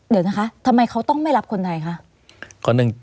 เดี๋ยวนะคะทำไมเขาต้องไม่รับคนไทยคะ